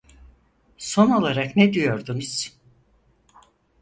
Son olarak ne diyordunuz?